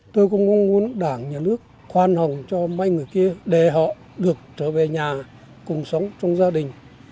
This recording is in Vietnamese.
tôi cũng mong muốn đảng nhà nước khoan hồng cho mấy người kia để họ được trở về nhà cùng sống trong gia đình